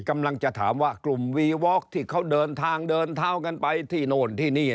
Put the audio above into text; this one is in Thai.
กำลังจะถามว่ากลุ่มวีวอคที่เขาเดินทางเดินเท้ากันไปที่โน่นที่นี่